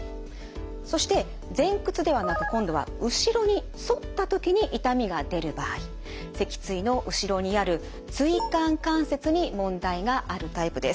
そして前屈ではなく今度は後ろに反った時に痛みが出る場合脊椎の後ろにある椎間関節に問題があるタイプです。